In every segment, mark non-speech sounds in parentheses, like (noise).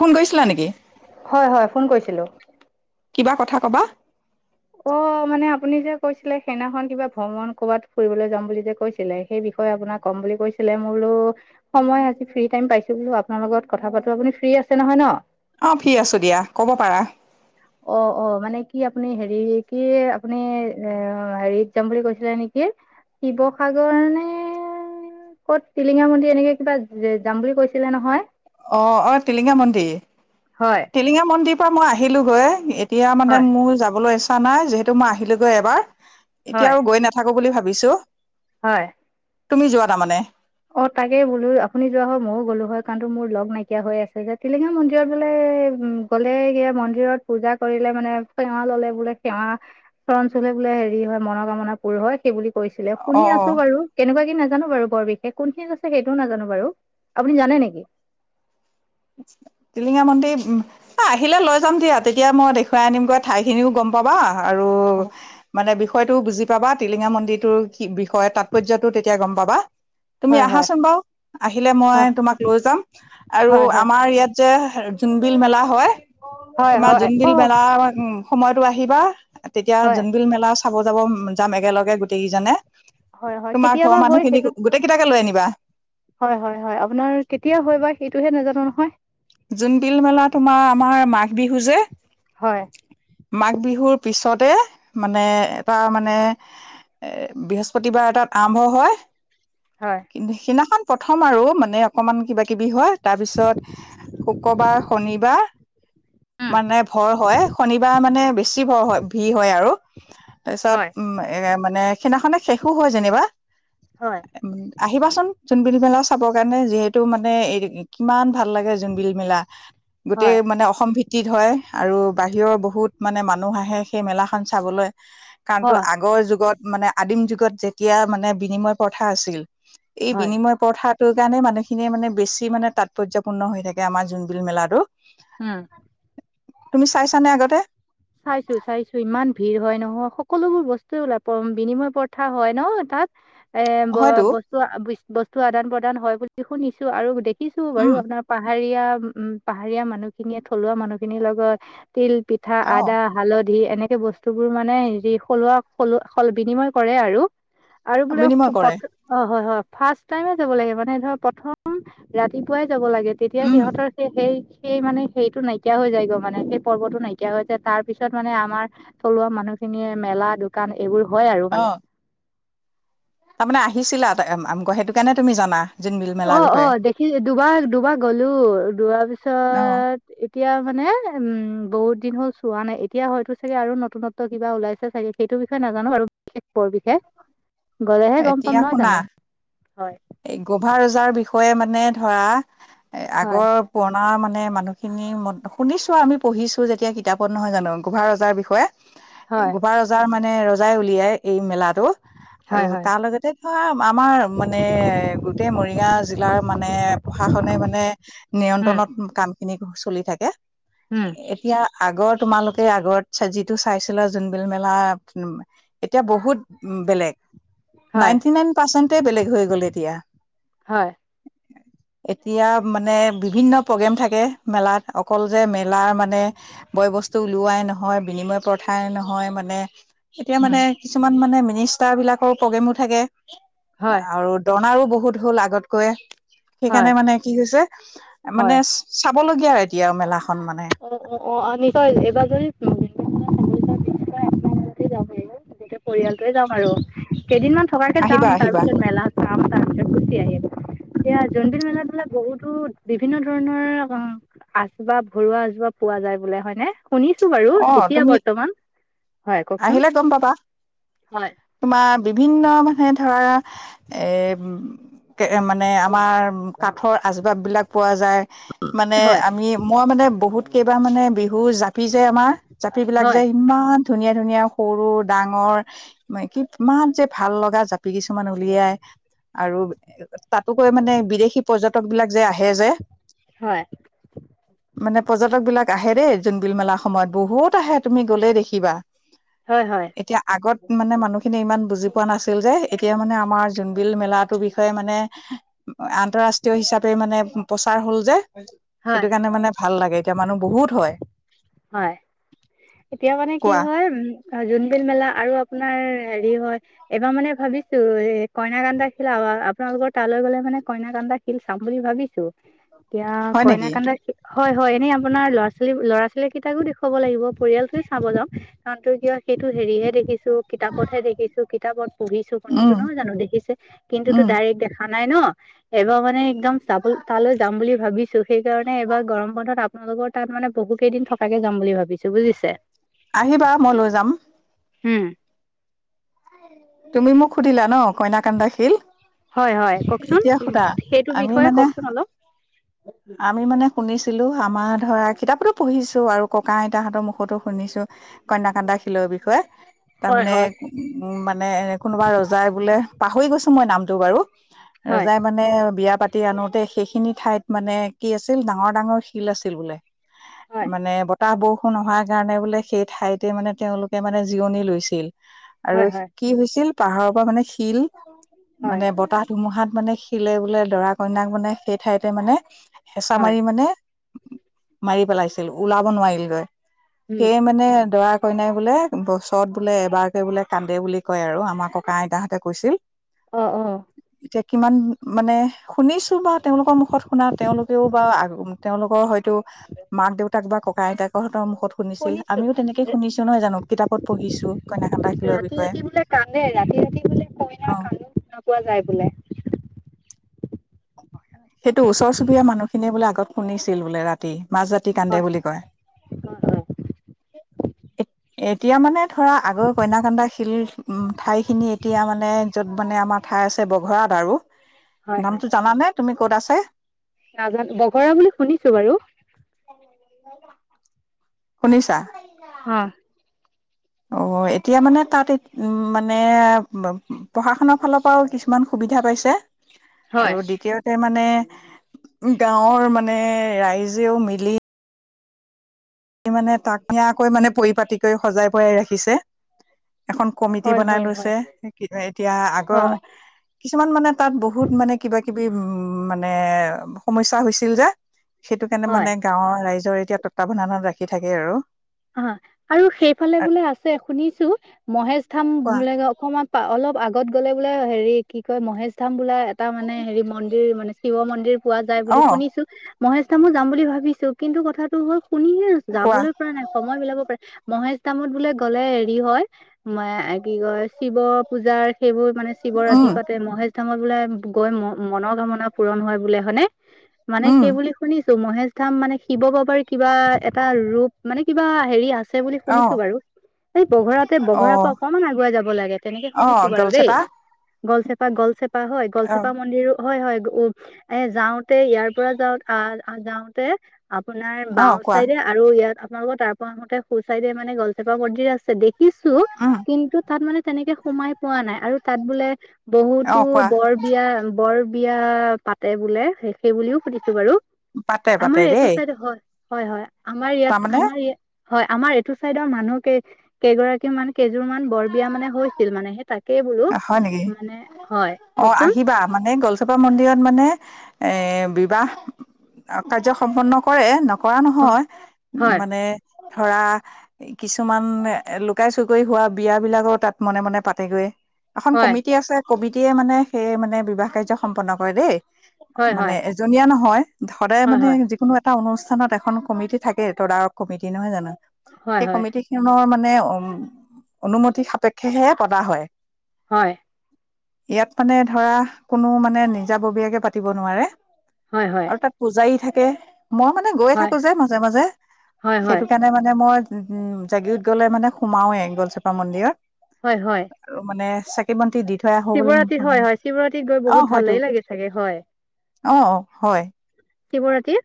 Phone কৰিছিলা নেকি ো কিবা কথা কবা অ মানে আপুনি যে কৈছিলে সেইনাখনন কিবা ভ্ৰমণ কৰ'বাত ফুৰিবলৈ আপোনাক কম বুলি কৈছিলে ম বো সময় আজি ফ্ৰী টাইম পাইছো বোলো আপোনাৰ লগত কথা পাতো আপুনি ফ্ৰ আছে নহয় ন অ ফি আছো দিয়া কব পাৰা অ অ মানে কি আপুনি হেৰি কি আপুনি এ হেৰিত যাম বুলি কৈছিলে নেকি শিৱসাগৰ নে কত টিলিঙা মন্দিৰ এনেকে কিবা যাম বুলি কৈছিলে নহয় অ অ টিলিঙা মন্দিৰ হয় টিলিঙা মন্দিৰ পৰা মই আহিলোগৈ এতিয়া মানে হয় মোৰ যাবলৈ ইচ্ছা নাই, যিহেতু মই আহিলোগৈ এবাৰ, এতিয়া হয় আৰু গৈ নাথাকো বুলি ভাবি বিছো। হয়। তুমি যোৱা তাৰমানে। অ', তাকে বোলো আপুনি যোৱা হয় ময়ো গ'লো হয়, কাৰণটো মোৰ লগ নাইকিয়া হৈ আছে যে টিলিঙা মন্দিৰত বোলে এ, গলে গে মন্দিৰত পূজা কৰিলে মানে সেৱা ললে বোলে সেৱা চৰন চুই বোলে হেৰি হয় মন কামনা পূৰ হয় সেই বুলি কৈছিলে শুনি অ' আছো অ' বাৰু কেনেকুৱা কি নাজানো বাৰু বৰ বিশেষ কোনখিন আছে সেইটোও নাজানো বাৰু আপুনি জানে নেকি টিলিঙা মন্দিৰ আহিলে লৈ যাম দিয়া তেতিয়া মই দেখুৱাই আনিমগৈ ঠাইখিনিও গম পাবা মে বিষয়তটো বুজি পাবা টিলিঙা মন্দিৰটোৰ কি বিষয় তাৎপৰ্যটোো তেতিয়া গম পাবা তুমি হয় হয় আহাচোন বাৰু আহিলে মই হয় তোমাক লৈ যাম আৰু হয় হয় আমাৰ যে, জোনবিল মেলা হয়, হয় তোমাৰ হয় অ জোনবিল মেলা সময়ত আহিবা, তেতিয়া হয় জোনবিল মেলা চাব যাব যাম একেলগে গোটেইকেইজনে। হয় হয় তোমাৰ ঘ কেতিয়াবা হয় মানুহখিনি সেইটোত গোটেই কেইটাকে লৈ আনিবা। তোহে নাজানো নহয়। জোনবিল মেলা তোমাৰ আমাৰ মাঘ বিহু যে হয় মাঘ বিহুৰ পিছতে, মানে এটা মানে এ, বৃহস্পতিবাৰ এটাত আৰম্ভ হয় হয় (unintelligible) সিদিনাখন প্ৰথম আৰু মানে অকমান কিবা কিবি হয়, তাৰপিছত শুক্ৰবাৰ, শনিবাৰ, উম মানে ভৰ হয়, শনিবাৰ মানে বেছি ভৰ হয়। ভি হয় আৰু। তাইছত হয় উম, এ মানে সেইদিনাখনে শেষো হয় যেনিবা। হয় আহিবাচোন। জোনবেলি মেলা চাবৰ কাৰণে যিহেতু মানে এ কিমান ভাল লাগে জোনবিল মেলা, গোটেই হয় মানে অসম ভিত তিত হয়। আৰু বাহিৰৰ বহুত মানে মানুহ আহে সেই মেলাখন চাবলৈ। কাণতো হয় আগৰ যুগত মানে আদিম যুগত যেতিয়া মানে বিনিময় প্ৰথা আছিল। এই হয় বিনিময় পৰ্থাটোৰ কাৰণে মানুহখিনিয়ে মানে বেছি মানে তাৎপৰ্যয়পূৰ্ণ হৈ থাক এয়া আমাৰ জোনবিল মেলাটো। উম। তুমি চাইছানে আগতে? চাইছো, চাইছো ইমান ভিৰ হয় নহয় সকলোবোৰ বস্তুৱে ওলা বিনিময় পৰ্থা হয় ন তাত। এ, ব হয়তো বস্তু বস্তু আদান প্ৰদান হয় বুলি শুনিছো আৰু দেখ খিছো বাৰু উম আপোনাৰ পাহাৰীয়া উউ পাহাৰীয়া মানুহখিনিয়ে থলুৱা মানুহ খিনিৰ লগত তিল, পিঠা অ আদ হালধি এনেকে বস্তুবোৰ মানে হেৰি সলোৱা সল বিনিময় কৰে আৰু। আৰু বোলে বিনিময় কৰে সুপথ, অ', হয়, হয়। ফাৰ্ষ্ট টাইমে যাব লাগে মানে ধৰ, প্ৰথম ৰাতিপুৱাই যাব লাগে তেতিয়া উম সিহঁতৰ সে সেই সেইমানে সেইটো নাইকিয়া হৈ যায়গৈ মানে, সেই পৰ্বটো নাইকিয়া হৈ তাৰপিছত মানে আমাৰ থলুৱা মানুহখিনিয়ে মেলা, দোকান এইবোৰ হয় আৰু অ মানে। তাৰমানে আহিছিলা আটা আমক, সেইটো কাৰণে তুমি জানা। জোনবিল মেলাৰ অ', বিষয়ে অ', দেখি দুবাৰ দুবাৰ গলো, যোৱাৰ অ', পিছত, এত এতিয়া মানে উম, বহুত দিন হ'ল চোৱা নাই এতিয়া হয়তো চাগে আৰু নতুনত্ব কিবা ওলাইছে চাগে সেইটো বিষয়ে নাজানো বাৰু, বৰ বিশেষ। গ'লেহে গম পাম এতিয়া নহয় শুনা, জানো হয় এই গোভা ৰজাৰ বিষ য়ে, মানে ধৰা, এ, হয় আগৰ পুৰণা মানু মানে মানুহখিনি শুনিছো আমি পঢ়িছো যেতিয়া কিতাপত নহয় জানো গোভা ৰজাৰ বিষয়ে। হয় গোপা ৰজাৰ মানে ৰজাই উলিয়াই এই মেলাটো। আৰু হয় হয় তাৰ লগতে ধৰা আমাৰ মানে গোটেই মৰিগাঁও জিলাৰ মানে প্ৰশাসন এ, মানে, উম নিয়ন্ত্ৰণত কামখিনি চলি থাকে। উম এতিয়া আগৰ তোমালোকে আগৰত যিটো চাইছিলা জোনবিল মেলা এতিয়া বহুত বেলেগ হয় নাইনটিন নাইন পাৰ্চেন্টে বেলেগ হয় গ'ল এতিয়া। হয় (inaudible) এতিয়া মানে বিভিন্ন প্ৰগ্ৰেম থাকে। মেলাত অকল যে মেলাৰ মানে বয় বস্তু উওলোৱাই নহয় বিনিময় প্ৰথাই নহয় মানে। এতিয়া মানে উম কিছুমান মানে মিনিষ্টাৰ বিলাকৰ প্ৰগ্ৰেমো থাকে হয় আৰু দনাৰো বহুত ঢোল আগতকৈ। হয় সেইকাৰণে মানে কি হৈছে, হয় মানে চাপ চাবলগীয়া আৰু এতিয়াৰ মেলাহ। অ', অ', অ', (unintelligible) এইবাৰ যদি (unintelligible) যাব পাৰিব। গোটেই পৰিয়ালটোৱে যাম আৰু। কেইদিনমান থকাকে আহিবা যাম, আহিবা তাৰপিছত মেলা চাম, তাৰপিছত গুচি আহিম। এতিয়া জোনবিল মেলাত বোলে বহুতো, বিভিন্ন ধৰণৰ আচ-বাব ঘৰুৱা কিবা পোৱা যায় বোলে হয়নে? শুনিছো বাৰু অ এতিয়া তুমি বৰ্তমান হয় কওকচোন। আহিলে গম পাবা হয় তোমাৰ বিভিন্ন মানুহে ধৰা এ কে মানে আমাৰ কাঠৰ আচবাব বিলাক পোৱা মানে হয় আমি মই মানে বহুত কেইবা মানে বিহু জ জাপি যে আমাৰ জাপি বিলাক যে হয় ইমান ধুনীয়া ধুনীয়া সৰু ডাঙৰ কি ইমান যে ভাল লগা জাপি কিছুমান উলিয়াই। আৰু তাতকৈ মানে বিদেশী পৰ্যটক বিলাক যে আহে যে। হয় মানে পৰ্যটক বিলাক আহে দেই যোন বিল মেলাৰ সময়ত বহুত আহে তুমি গ'লেই দেখিবা হয় হয় এতিয়া আগত মানে মানুহখিনি ইমান বুজি পোৱা নাছিল যে এতিয়া মানে আমাৰ জোনবিল মেলাটোৰ বিষয়ে মানে আন্তঃৰাষ্ট্ৰীয় হিচাপে মানে প্ৰচাৰ হ'ল যে সেইটো হয় কাৰণে মানে ভাল লাগে এতিয়া মানুহ বহুত হয়। হয় এতিয়া মানে কি কোৱা হয় উ জোনবিল মেলা আৰু আপোনাৰ হেৰি হয় এবাৰ মানে ভাবিছো কইনা কানদা খিলা আপোনালোকৰ তালৈ গ'লে মানে কইনা কানা দাখিল চাম বুলি ভাবিছো। এতিয়া হয় নেকি কইনাকানদা হয় হয় এনেই আপোনাৰ ল'ৰা ছোৱালী ল'ৰা ছোৱালী কেইটাকো দেখুৱাব লাগিব। পৰিয়ালটোৱে চাব যাম কাৰণ কিয় সেইটো হেৰিহে দেখিছো কিতাপতহে দেখিছো কিতাপত পুহিছো শুনিছো উম নয় জানো দেখিছে কিন্তুো উম ডাইৰেক্ট দেখা নাই ন এবাৰ মানে একদম চাব তালৈ যাম বুলি ভাবিছো সেইকাৰণে এইবাৰ গৰম বন্ধত আপোনাৰ তাত মানে বহু কেইদিন থকাকে যাম বুলি ভাবিছো বুজিছে। আহিবা মই লৈ যাম। হম। তুমি মোক সুধিলা ন কইনাকান দা শিল? হয় হয় কওকচোন এতিয়া সুধা সেইটো আমি বিষয়ে মানে কওকচোন অলপ আমি মানে শুনিছিলো। আমাৰ ধৰা কিতাপতো পঢ়িছো আৰু ককা আইতাহতৰ মুখতো শুনিছো কন্যাকান্তা শিলৰ বিষয়ে। হয় তাৰমানে হয় উ উ মানে কোনোবা ৰজাই বোলে পাহৰি গৈছো মই নামটো বাৰু। হয় ৰজাই মানে বিয়া পাতি পাতি আনোতে সেইখিনি ঠাইত মানে কি আছিল ডাঙৰ ডাঙৰ শিল আছিল বোলে। হয় মানে বটা বৰষুণ অহাৰ কাৰণে বোলে সেই ঠাইতে মানে তেওঁলোকে মানে জিৰণি লৈছিল আৰু। হয় হয় কি হৈছিল পাহাৰৰ পৰা মানে শিল হয় মানে বতাহ ধুমুহাত মানে শিলে বোলে দৰা কইনাক মানে সেই ঠাইতে মানে হেঁচা হয় মাৰি মানে। মাৰি পেলাইছিল ওলাব নোৱাৰিল গৈ উম সেয়ে মানে দৰাক। কইনাই বোলে বছৰত বোলে এবাৰকে বোলে কানদে বুলি কয় আৰু আমাৰ ককা আইতাহঁতে কৈছিল। অ অ (unintelligible) কিমান মানে শুনিছোঁ বা তেওঁলোকৰ মুখত শুনা তেওঁলোকেও বা তেওঁলোকৰ হয়তো মাক দেউতাক বা ককা আইতাকৰহতৰ মু ত শুনিছিল শুনিছো আমিও তেনেকে শুনিছো নহয় জানো কিতাপত পঢ়িছো কনাকান্তা খেলুৱৰ ৰাতি বিষয়ে। ৰাতি বোলে কান্দে ৰাতি ৰাতি বোলে অ কইনা কান্দো নোপোৱা যায় বোলে সেইটো ওচৰ চুবুৰীয়া মানুহখিনিয়ে বোলে আগত শুনিছিল বোলে ৰাতি মাজ ৰাতি কান্দে হয় বুলি কয় হয় এতিয়া মানে ধৰা আগৰ কইনাকান্ন্দা শিল ঠাই খিনি এতিয়া মানে য'ত মানে আমাৰ াই আছে বঘৰাত আৰু হয় হয় হয় নামতটো জানানে তুমি ক'ত আছে নাজানো বগৰা বুলি শুনিছো বাৰু। (unintelligible) হ অ এতিয়া মানে তাত উ মানে পঢ়া শুনাৰ ফালৰ পৰাও কিছুমান সুবিধা পাইছে হয় আৰু দ্বিতীয়তে মানে। (inaudible) মানে কনিয়াকৈ মানে পৰিপতি কৰি সজাই পৰাই ৰাখিছে এখন কমিটি হয় বনাই হয় হয় লৈছে এতিয়া আগৰ হয় কিছুমান মানে তাত বহুত মানে কিবা কিবি উ মানে সমস্যা হৈছিল যে সেইটো কাৰণে হয় মানে গাঁৱৰ ৰাই জৰ এতিয়া তত ভনানত ৰাখি থাকে আৰু অ আৰু সেইফালে বোলে আছে শুনিছো মহেশ ধাম কোৱা বোলে অকণমান অলপ আগত গ'লে বোলে হেৰি কি কয় মহেশ ধাম বোলো এটা মানে হেৰি মন্দিৰ মানে শিৱ মন্দিৰ পোৱা যায় বুলি অ', শুনিছো মহেশ তামো যাম বুলি ভাবিছো কিন্তু কথাটো হল শুনিহে কোৱা যাবলৈ পৰা নাই সময় মিলাব মহেশ তামত বোলে গলে হেৰি হয় কি কয় শিৱ পূজাৰ সেইবোৰ মানে শিৱ ৰাতি উম, পাতে মহেশ ধামৰ বোলে গৈ মনৰ কামনা পূৰণ হয় বোলে হয়নে মানে উম, সেই বুলি শুনিছো মহেশ ধাম মানে শিৱ বাবাৰ কিবা এটা ৰূপ মানে কিবা হেৰি আছে বুলি শুনিছো অ', বাৰু এই বগৰাতে বঘৰাাৰ পৰা অ', অকমান আগুৱাই যাব লাগে তেনেকে শুনিছো অ', বাৰু দেই গলচেপা গলচেপা গলচেপা হয় অ গলচেপা মন্দিৰো হয় হয় এ যাওঁতে ইয়াৰ পৰা যাওঁ আহ যাওঁতে আপোনাৰ অ বাওঁ কোৱা চাইডে আৰু ইয়াত আপোনালোকৰ তাৰ পৰা আহতে সু চাইডে মানে গলচেপা মন্দিৰ আছে দেখ শিকিছো উম কিন্তু তাত মানে তেনেকে সোমাই পোৱা নাই আৰু তাত বোলে অ বহুতো কোৱা বৰ বিয়া বৰ বিয়া পাতে বোলে সেইবও সুধিছো বাৰু পাতে পাতে আমাৰ এইটো দেই চাইড হয় হয় হয় আমাৰ ইয়াত তাৰমানে আমাৰ ই হয় আমাৰ এইটো চাইদৰ মানুহ কেই কেইগৰাকী মান কেইযোৰ মান বৰ বিয়া মানে হৈছিল মানেহে তাক হয় নেকি মানে অ কওকচোন আহিবা মানে গলচপা মন্দিৰত মানে এ বাহ কাৰ্য সম্পন্ন কৰে নকৰা হয় নহয় হয় মানে ধৰা কিছুমান লুকাই চুকাই হোৱা বিয় বিলাকৰ তাত মনে মনে পাতেগৈ এখন কমিটি আছে কমিটে মানে সেই মানে বিবাহ কাৰ্য সম্পন্ন কৰে দেই হয় মানে হয় এজনীয়া নহয় সদায় হয় হয় মানে হয় যিকোনো এটা অনুষ্ঠান কমি থাকে ত কি নহয় জান হয় সেই হয় কমি খনৰ মান মানে উ অনুমতি সাপেক্ষেহে পদা হয় হয় ইয়াত মানে ধৰা কোনো মানে নিজাববীয়াকে পাতিব নোৱাৰে হয় হয় আৰু তাত পূজাৰী থাকে মই মানে গৈে হয় থাকো যে মাজে মাজে হয় সেইটো কাৰণে মানে মই উম জাগিত গ'লে মানে সোমাওৱে গলচেপা মন্দিৰত হয় হয় মনে চাকি বন্তি দি থৈ আহো বুলি শিৱৰাতি হয় হয় শিৱৰাতিত গৈ বহুত ভাল হয়তো লাগেই লাগে চাগে হয় অ অ হয় শিৱৰাতি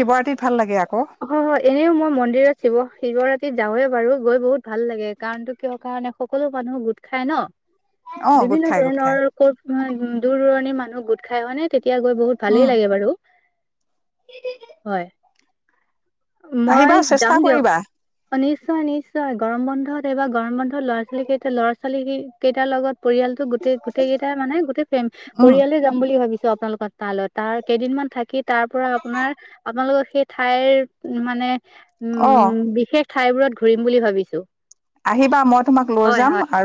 শিৱৰাটীত ভাল লাগে আ হয় হয় এনেও মই মন্দিৰত শিৱ শিৱৰাতি যাওৱে বাৰু গৈ বহুত ভাল লাগে কাৰণো কিয় কাৰণে সকলো মানুহ গোট খাই ন অ গোট বিভিন্ন খাই গোট খাই ধৰণৰ ক'ত দূৰ দূৰণিৰ মানুহ গোট খাই হয় নে তেতিয়া এতিয়া গৈ বহুত উম ভালেই লাগে বাৰু হয় মই আহিবা চেষ্টা যাম দিয়ক কৰিবা অ নিশ্চয় নিশ্চয় গৰম বন্ধত এইবাৰ গৰম বন্ধত ল'ৰা ছোৱালী কেইটা ল'ৰা ছোৱালী কেইটাৰ লগত পৰিয়ালটো গোটেই গোটেই কেইটটা মানে গোটেই ফেম উম পৰিয়ালে যাম বুলি ভাবিছো আপোনালোকৰ তালত তাৰ কেইদিন মমান থাকি তাৰ পৰা আপোনাৰ আপোনালোকৰ সেই ঠাইৰ মানে অ উম বিশেষ ঠাইবোৰত ঘূৰিম বুলি ভাবিছো আহিবা মই তোমাক লৈ হয় হয় যাম আৰু